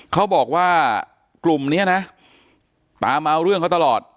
เขาบอกว่ากลุ่มนี้นะตามมาเอาเรื่องเขาตลอด